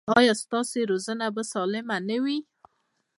ایا ستاسو روزنه به سالمه نه وي؟